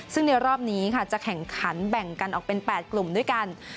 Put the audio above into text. ซึ่งในรอบนี้ค่ะจะแข่งขันแบ่งกันออกเป็น๘กลุ่มด้วยกัน